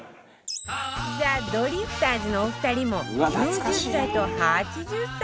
ザ・ドリフターズのお二人も９０歳と８０歳に